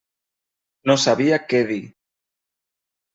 No sabia què dir.